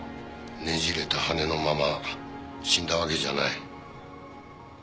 ねじれた羽のまま死んだわけじゃない。